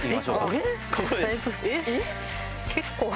結構。